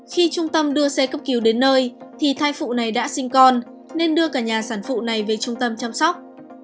khi trung tâm đưa xe cấp cứu đến nơi thì thai phụ này đã sinh con nên đưa cả nhà sản phụ này về trung tâm chăm sóc